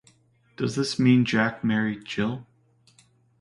Does this mean Jack married Jill?